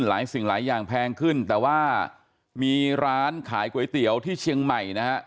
สิ่งหลายอย่างแพงขึ้นแต่ว่ามีร้านขายก๋วยเตี๋ยวที่เชียงใหม่นะฮะ